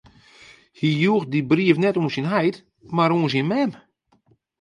Hy joech dy brief net oan syn heit, mar oan syn mem.